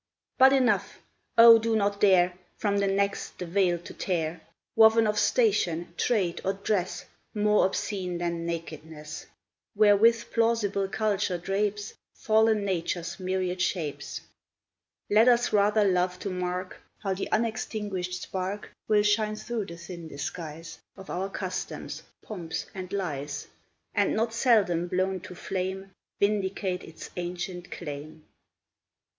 But enough! O, do not dare From the next the veil to tear, Woven of station, trade, or dress, More obscene than nakedness, Wherewith plausible culture drapes Fallen Nature's myriad shapes! Let us rather love to mark How the unextinguished spark Will shine through the thin disguise Of our customs, pomps, and lies, And, not seldom blown to flame, Vindicate its ancient claim.